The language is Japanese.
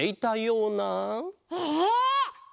え！